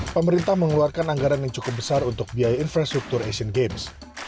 pemerintah mengeluarkan anggaran yang cukup besar untuk biaya infrastruktur asian games